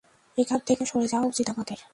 এখান থেকে সরে যাওয়া উচিত আমাদের!